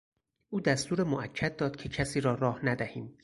او دستور موکد داد که کسی را راه ندهیم.